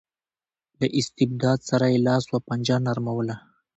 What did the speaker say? له استبداد سره یې لاس و پنجه نرموله.